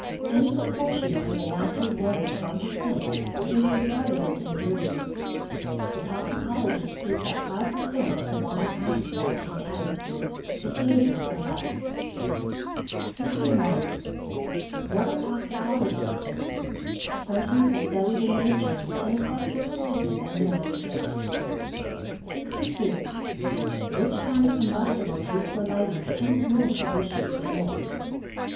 _ Any proportion over the natural one of 1 per cent. may be regarded as injurious. But toxicologists state that five per cent. of carbonic acid gas in the atmosphere is dangerous to life. 61. What are toxicologists? Persons who study the nature and effects of poisons and their antidotes. 62. _Which kind of combustible used for lighting tends most to vitiate the air?